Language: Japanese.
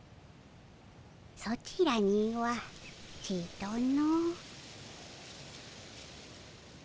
ソチらにはちとの。